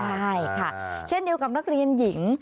ใช่ค่ะเช่นเดียวกับนักเรียนหญิง